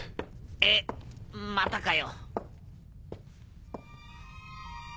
えっまたかよ。